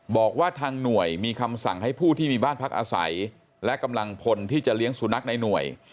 บอกว่าทางหน่วยมีคำสั่งให้ผู้ที่มีบ้านพักอาศัยและกำลังพลที่จะเลี้ยงสุนัขในหน่วย